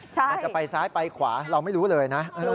มันจะไปซ้ายไปขวาเราไม่รู้เลยนะ